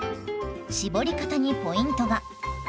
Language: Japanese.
搾り方にポイントが！